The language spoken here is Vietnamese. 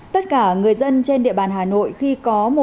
tất cả người dân trên địa bàn hà nội khi có